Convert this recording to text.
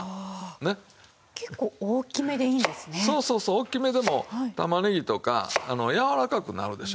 大きめでも玉ねぎとかあのやわらかくなるでしょう。